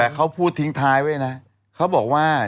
แต่เขาพูดทิ้งทายเขาบอกว่า